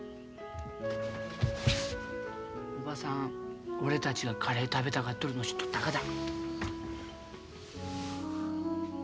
おばさん俺たちがカレー食べたがっとるの知っとったがだ。